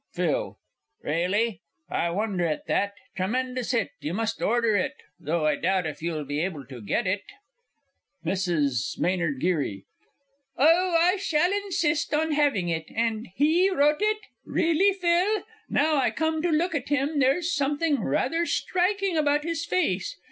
PHIL. Really? I wonder at that tremendous hit you must order it though I doubt if you'll be able to get it. MRS. M. G. Oh, I shall insist on having it. And he wrote it? Really, Phil, now I come to look at him, there's something rather striking about his face.